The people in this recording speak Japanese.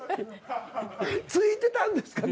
着いてたんですか？